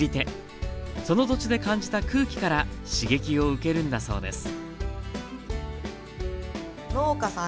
その土地で感じた空気から刺激を受けるんだそうです